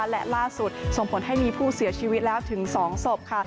และล่าสุดส่งผลให้มีผู้เสียชีวิตแล้วถึง๒ศพค่ะ